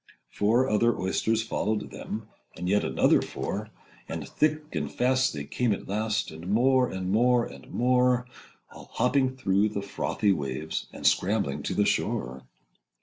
Four other Oysters followed them, Â Â Â Â And yet another four; And thick and fast they came at last, Â Â Â Â And more, and more, and more— All hopping through the frothy waves, Â Â Â Â And scrambling to the shore.